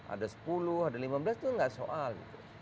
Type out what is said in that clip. ada sepuluh ada lima belas itu nggak soal